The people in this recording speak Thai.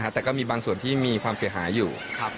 แต่ก็มีบางส่วนที่มีความเสียหายอยู่